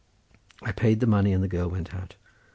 I paid the money, and the girl went out.